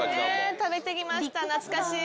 食べて来ました懐かしい！